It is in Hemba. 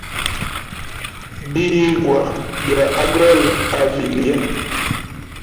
Biyigwa bya agole a vilye.